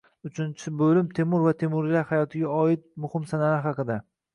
Uchinchi bo‘lim Temur va temuriylar hayotiga oid muhim sanalar haqida